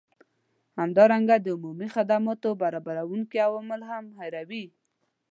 همدارنګه د عمومي خدماتو برابروونکي عوامل هم هیروي